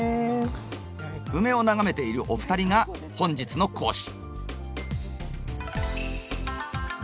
ウメを眺めているお二人が本日の講師。